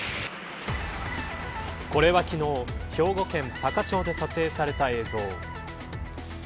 これは昨日、兵庫県多可町で撮影された映像。